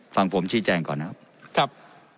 ฟังผมชี้แจงก่อนนะครับ